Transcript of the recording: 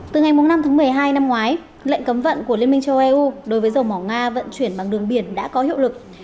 từ ngày năm tháng một mươi hai năm ngoái lệnh cấm vận của liên minh châu âu đối với dầu mỏ nga vận chuyển bằng đường biển đã có hiệu lực